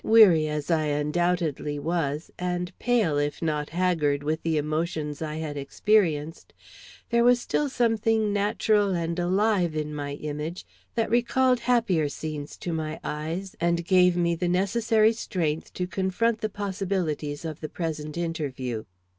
Weary as I undoubtedly was, and pale if not haggard with the emotions I had experienced, there was still something natural and alive in my image that recalled happier scenes to my eyes, and gave me the necessary strength to confront the possibilities of the present interview..